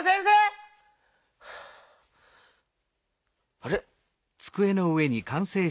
あれ？